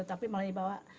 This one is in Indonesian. tapi malah dibawa